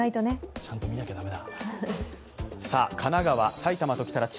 ちゃんと見なきゃ駄目だ。